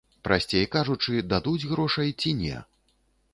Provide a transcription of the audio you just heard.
Прасцей кажучы, дадуць грошай ці не?